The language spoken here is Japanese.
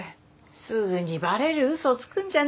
すぐにバレるうそつくんじゃないよ。